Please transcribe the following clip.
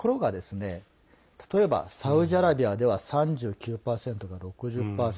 ところが例えば、サウジアラビアでは３９％と６０％。